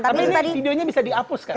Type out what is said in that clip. tapi videonya bisa diapus kan